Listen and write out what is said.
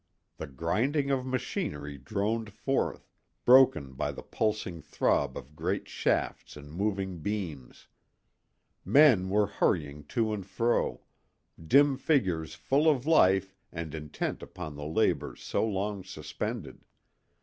The grinding of machinery droned forth, broken by the pulsing throb of great shafts and moving beams. Men were hurrying to and fro, dim figures full of life and intent upon the labors so long suspended.